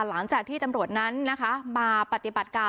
หลังจากที่ตำรวจนั้นนะคะมาปฏิบัติการ